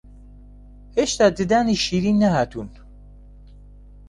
هێشتا ددانی شیری نەهاتوون